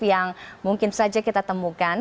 yang mungkin saja kita temukan